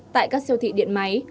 tại các siêu thị điện máy